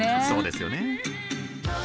そうですよね。